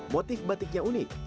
motif batiknya unik